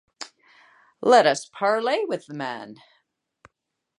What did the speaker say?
Let us parley with the man.